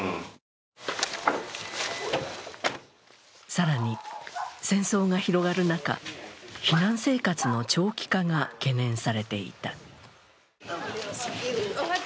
更に、戦争が広がる中、避難生活の長期化が懸念されていた。